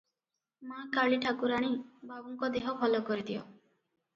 ମା’ କାଳୀ ଠାକୁରାଣୀ! ବାବୁଙ୍କ ଦେହ ଭଲ କରିଦିଅ ।